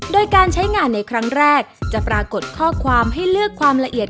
โดยการใช้งานในครั้งแรกจะปรากฏข้อความให้เลือกความละเอียด